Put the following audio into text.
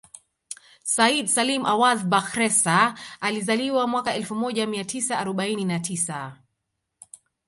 Said Salim Awadh Bakhresa alizaliwa mwaka elfu moja mia tisa arobaini na tisa